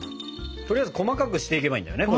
とりあえず細かくしていけばいいんだよね？